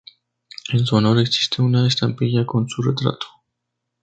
En su honor existe una estampilla con su retrato.